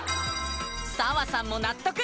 砂羽さんも納得